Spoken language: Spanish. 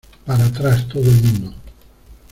Para atrás, todo el mundo.